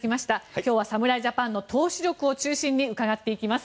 今日は侍ジャパンの投手力を中心に伺っていきます。